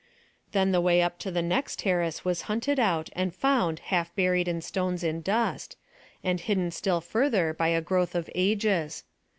Then the way up to the next terrace was hunted out and found half buried in stones and dust, and hidden still further by the growth of ages.